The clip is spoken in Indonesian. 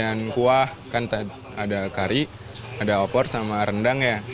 kemudian kuah kan ada kari ada opor sama rendang ya